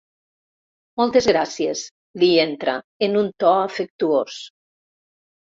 Moltes gràcies —li entra, en un to afectuós—.